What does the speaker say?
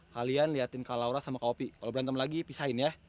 kalian liatin kak laura sama kak opi kalo berantem lagi pisahin ya